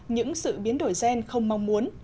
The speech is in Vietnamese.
những sự biến đổi gen không mong muốn